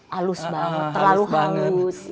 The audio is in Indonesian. halus banget terlalu halus